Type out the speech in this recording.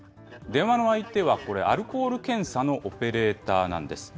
電話の相手は、これ、アルコール検査のオペレーターなんです。